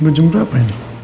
berjumpa apa ini